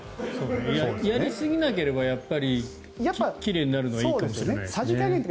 やりすぎなければ奇麗になるのはいいかもしれないですね。